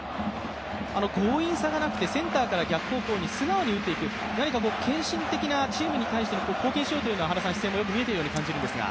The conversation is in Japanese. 強引さがなくてセンターから逆方向に素直に打っていく、何か献身的な、チームに対して貢献しようという姿勢も見えていますが。